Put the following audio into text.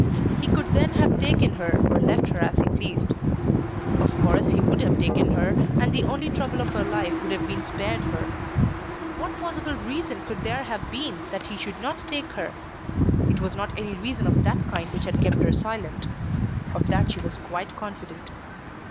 He could then have taken her, or left her as he pleased. Of course he would have taken her, and the only trouble of her life would have been spared her. What possible reason could there have been that he should not take her? It was not any reason of that kind which had kept her silent. Of that she was quite confident.